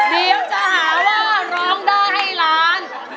เดี๋ยวจะหาว่าร้องได้ให้ล้าน